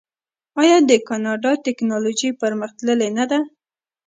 آیا د کاناډا ټیکنالوژي پرمختللې نه ده؟